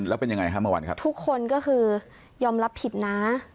แล้วเป็นยังไงฮะเมื่อวานครับทุกคนก็คือยอมรับผิดนะ